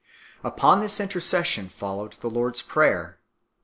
Upon this intercession followed the Lord s Prayer.